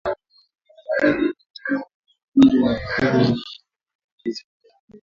Wanyama wengi katika kundi la mifugo wanaweza kuambukizwa